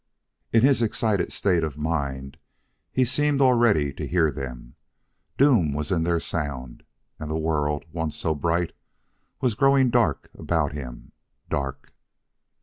In his excited state of mind he seemed already to hear them. Doom was in their sound, and the world, once so bright, was growing dark about him dark!